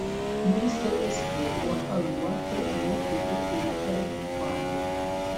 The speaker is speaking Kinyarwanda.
muri csd uwahawe ingwate n ufite uruhare rwa leta